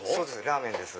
ラーメンです。